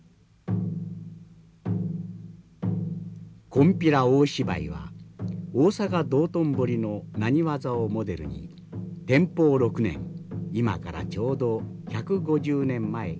金毘羅大芝居は大阪・道頓堀の浪花座をモデルに天保６年今からちょうど１５０年前建築されました。